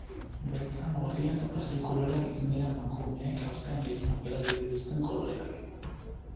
Beltza, gorria eta pastel-koloreak izan dira emakumeek aurten gehien aukeratu dituzten koloreak.